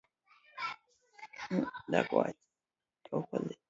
Wekmuochna